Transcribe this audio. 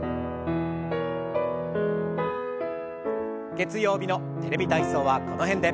月曜日の「テレビ体操」はこの辺で。